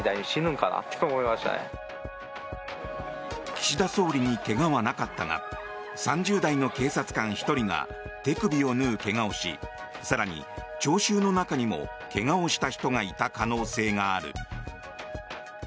岸田総理に怪我はなかったが３０代の警察官１人が手首を縫う怪我をし更に、聴衆の中にも怪我をした人がいる可能性がある。